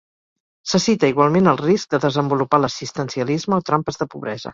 Se cita igualment el risc de desenvolupar l'assistencialisme o trampes de pobresa.